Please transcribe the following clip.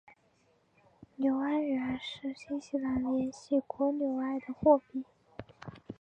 纽埃元是新西兰联系国纽埃的货币。